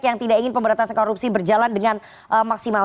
yang tidak ingin pemberantasan korupsi berjalan dengan maksimal